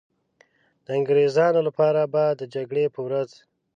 د انګریزانو لپاره به د جګړې په ورځ.